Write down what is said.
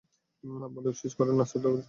বন্দুক স্যুইচ করুন নার্সদের ভিতরে নিয়ে যান।